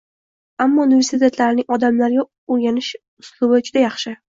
Ammo universitetlarning odamlarga oʻrgatish uslubi juda yaxshi